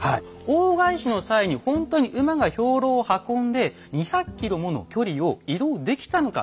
大返しの際にほんとに馬が兵糧を運んで２００ｋｍもの距離を移動できたのかどうか。